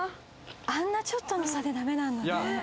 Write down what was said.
あんなちょっとの差でダメなんだね